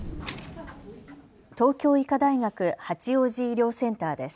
東京医科大学八王子医療センターです。